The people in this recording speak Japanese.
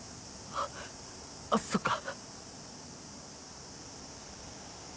あっそっか。